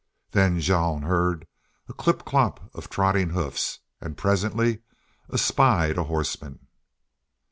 Then Jean heard a clip clop of trotting hoofs, and presently espied a horseman.